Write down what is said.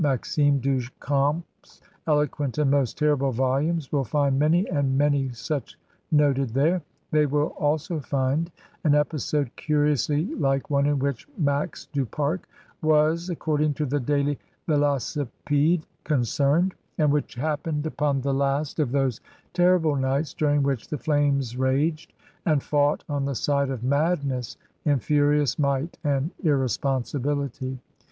Maxime du Camp's eloquent and most terrible volumes will find many and many such noted there; they will also find an episode curiously like one in which Max Du Pare was (according to the Daily Velocipede) concerned, and which happened upon the last of those terrible nights during which the flames raged and fought on the side of madness in furious might and irre sponsibility.